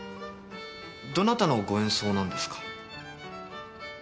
どなたのご演奏なんですか？